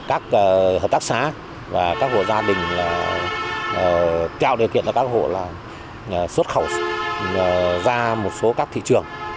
các hợp tác xá và các hộ gia đình trao điều kiện cho các hộ xuất khẩu ra một số các thị trường